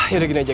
yaudah gini aja